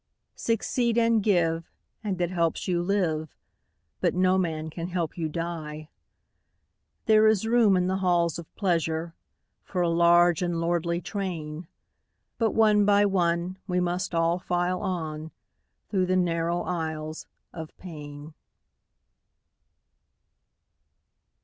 Succeed and give, and it helps you live, But no man can help you die. There is room in the halls of pleasure For a large and lordly train, But one by one we must all file on Through the narrow aisles of pain.